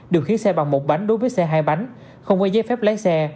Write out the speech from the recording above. điều khiến xe bằng một bánh đối với xe hai bánh không có giấy phép lái xe